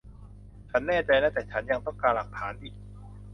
ฉันแน่ใจนะ แต่ฉันยังต้องการหลักฐานอีก